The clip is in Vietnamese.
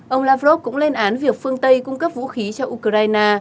ông lavrov cũng lên án việc phương tây cung cấp vũ khí cho ukraine